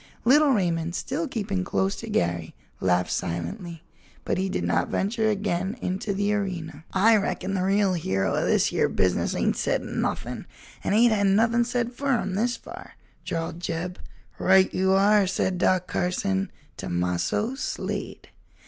Little Raymond, still keeping close to Garry, laughed silently, but he did not venture again into the arena. "I reckon the real hero o' this here business ain't said nuthin'? and ain't hed nuthin' said fur him, this far," drawled Jeb. "Right you are!" said Doc Carson. "Tomasso Slade."